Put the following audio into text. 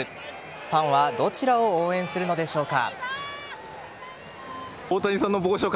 ファンはどちらを応援するのでしょうか。